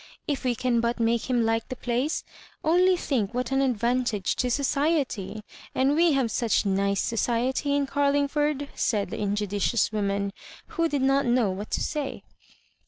If we can but make him like the place, only think what aa advantage to society — and we have such nice society in Carlingford," said ttie injudicious woman, who did not know what to say.